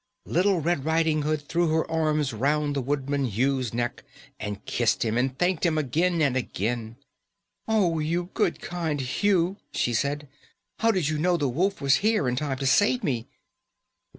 _ Little Red Riding Hood threw her arms round the woodman Hugh's neck and kissed him, and thanked him again and again. "Oh, you good, kind Hugh," she said, "how did you know the wolf was here, in time to save me?"